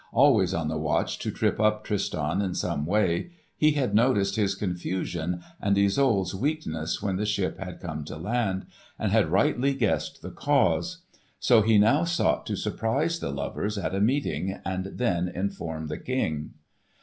Always on the watch to trip up Tristan in some way, he had noticed his confusion and Isolde's weakness when the ship had come to land, and had rightly guessed the cause. So he now sought to surprise the lovers at a meeting and then inform the King.